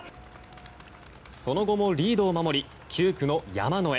その後もリードを守り９区の山野へ。